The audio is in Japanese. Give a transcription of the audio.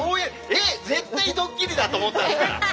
えっ絶対ドッキリだと思ったんですから。